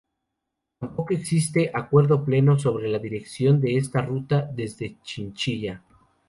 Tampoco existe acuerdo pleno sobre la dirección de esta ruta desde Chinchilla.